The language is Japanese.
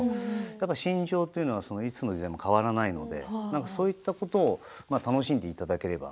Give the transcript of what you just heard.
心情というのはいつの時代も変わらないのでそういったことを楽しんでいただければ。